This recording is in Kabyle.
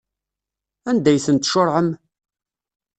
Anda ay ten-tcuṛɛem?